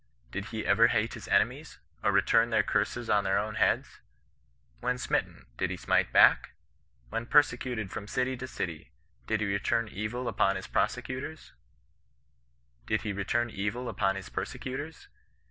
Did he ever hate his ene mies, or return their curses on their own heads ? When smitten, did he smite back? When persecuted from city to city, did he return evil upon his persecutors